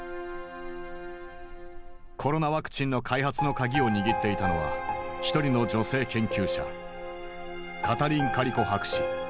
コロナワクチンの開発の鍵を握っていたのは一人の女性研究者カタリン・カリコ博士。